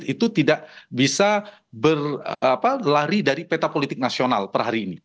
itu tidak bisa berlari dari peta politik nasional per hari ini